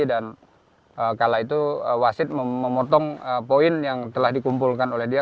dan kala itu wasit memotong poin yang telah dikumpulkan oleh dia